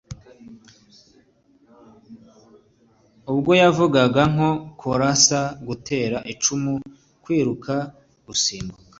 Ubwo yavugaga nko kurasa, gutera icumu, kwiruka, gusimbuka